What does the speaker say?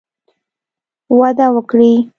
وده وکړي